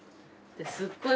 すっごい